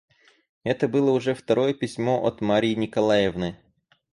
Это было уже второе письмо от Марьи Николаевны.